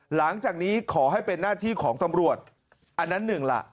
หลังจากนี้ขอให้เป็นหน้าที่ของตำรวจอันนั้นหนึ่งล่ะ